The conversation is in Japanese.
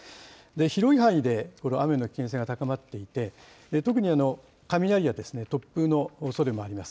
広い範囲で雨の危険性が高まっていて、特に雷や突風のおそれもあります。